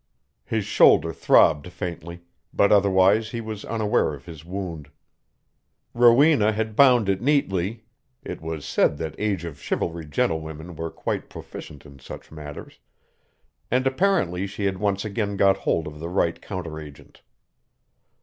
His shoulder throbbed faintly, but otherwise he was unaware of his wound. Rowena had bound it neatly it was said that Age of Chivalry gentlewomen were quite proficient in such matters and apparently she had once again got hold of the right counteragent.